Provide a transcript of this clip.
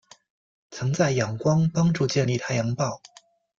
曾在仰光帮助建立太阳报。